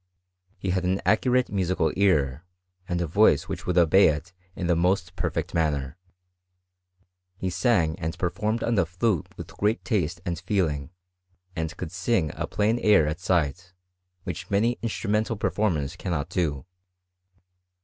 He had an accurate musical ear, and a voice which would obey it in the most perfect manner ; he sang and per formed on the flute with great taste and feeling ; and could sing a plain air at sight, which many instru mental performers cannot do.